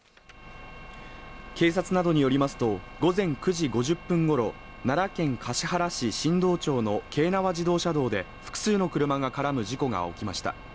警察などによりますと午前９時５０分ごろ奈良県橿原市新堂町の京奈和自動車道で複数の車が絡む事故が起きました